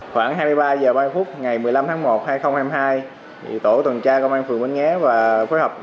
khoảng hai mươi ba h ba mươi phút ngày một mươi năm tháng một hai nghìn hai mươi hai tổ tuần tra công an phường bến nghé và phối hợp